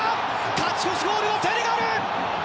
勝ち越しゴール、セネガル！